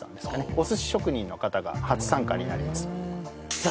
お寿司職人の方が初参加になります